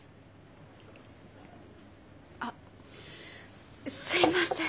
あすいません。